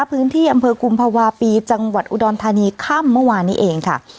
พื้นที่อำเภอกุมภาวะปีจังหวัดอุดรธานีค่ำเมื่อวานนี้เองค่ะ